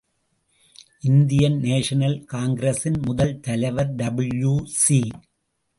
Indian national காங்கிரசின் முதல் தலைவர் டபிள்யூ ஸி.